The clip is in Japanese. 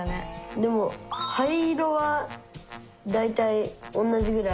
でも灰色はだいたい同じぐらい？